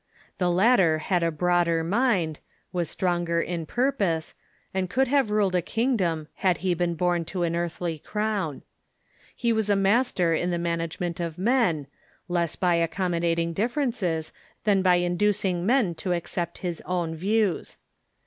The latter had a broader mind, was stronger in purpose, and could have ruled a kingdom had he been born to an earthly crown. He was a master in the management of men, less by accommodating differences than by inducing men to 'f'cT" 3.ccept his own views.